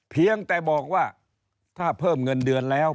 เพียงแต่บอกว่าถ้าเพิ่มเงินเดือนแล้ว